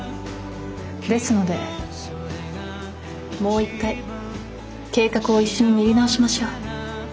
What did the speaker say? ですのでもう一回計画を一緒に練り直しましょう。